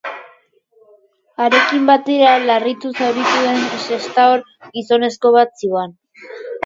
Harekin batera, larri zauritu den sestaoar gizonezko bat zihoan.